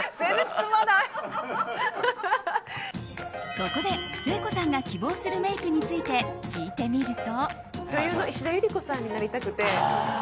ここで、誠子さんが希望するメイクについて聞いてみると。